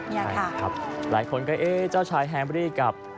ใช่ค่ะหลายคนก็เอ๊ะเจ้าชายแฮมบรีกับ